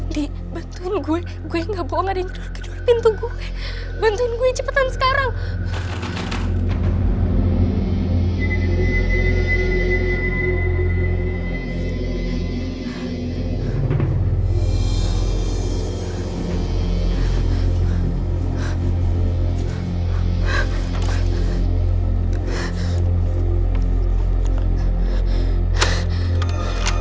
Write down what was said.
di betul gue gue nggak bohong ada pintu gue bentuk cepetan sekarang